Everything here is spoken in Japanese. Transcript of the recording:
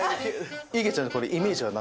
いげちゃんイメージは？